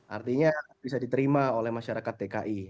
artinya bisa diterima oleh masyarakat dki